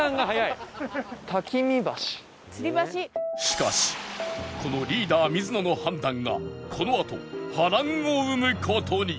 しかしこのリーダー水野の判断がこのあと波乱を生む事に